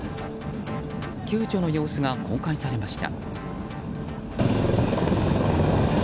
救助の様子が公開されました。